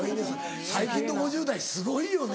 最近の５０代すごいよね。